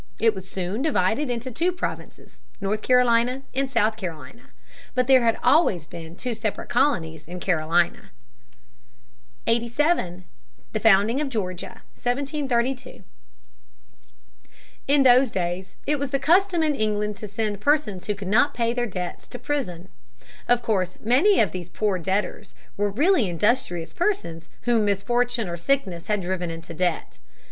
It was soon divided into two provinces, North Carolina and South Carolina. But there had always been two separate colonies in Carolina (p. 52). [Sidenote: General Oglethorpe.] [Sidenote: Grant of Georgia, 1732.] 87. Founding of Georgia, 1732. In those days it was the custom in England to send persons who could not pay their debts to prison. Of course many of these poor debtors were really industrious persons whom misfortune or sickness had driven into debt.